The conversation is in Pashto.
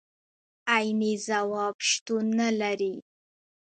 عيني ځواب شتون نه لري.